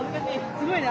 すごいね。